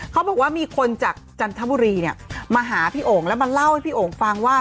เขาบอกว่ามีคนจากจันทบุรีเนี่ยมาหาพี่โอ่งแล้วมาเล่าให้พี่โอ่งฟังว่า